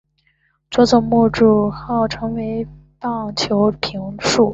佐佐木主浩成为棒球评述。